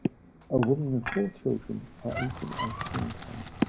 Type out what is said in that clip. A woman with four children are eating ice cream cones.